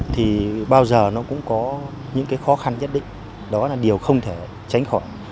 thì bao giờ nó cũng có những cái khó khăn nhất định đó là điều không thể tránh khỏi